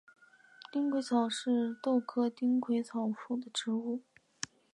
丁癸草是豆科丁癸草属的植物。